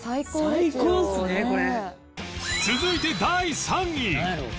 続いて第３位